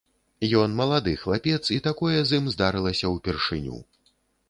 Ён малады хлапец, і такое з ім здарылася ўпершыню.